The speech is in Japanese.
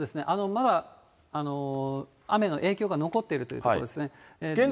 まだ雨の影響が残っているということですね。